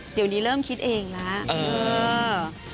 เดี๋ยวนี้เริ่มคิดเองแล้ว